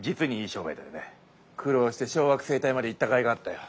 苦労して小惑星帯まで行ったかいがあったよ。